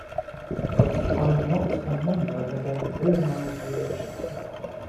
But I am not a member of any organized religion.